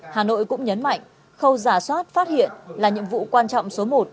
hà nội cũng nhấn mạnh khâu giả soát phát hiện là nhiệm vụ quan trọng số một